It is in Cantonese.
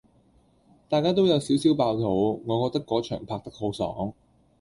大家都有少少爆肚，我覺得果場拍得好爽